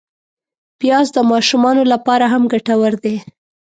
پیاز د ماشومانو له پاره هم ګټور دی